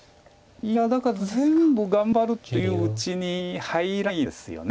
いやだから全部頑張るといううちに入らないですよね。